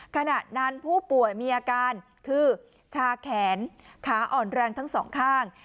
ขณะนั้นผู้ป่วยมีอาการคือชาแขนขาอ่อนแรงทั้งสองข้าง